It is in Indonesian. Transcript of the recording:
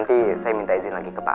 nanti saya minta izin lagi ke pak